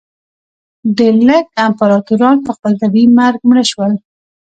ډېر لږ امپراتوران په خپل طبیعي مرګ مړه شول.